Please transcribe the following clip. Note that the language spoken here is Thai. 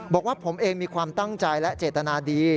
บอกว่าผมเองมีความตั้งใจและเจตนาดี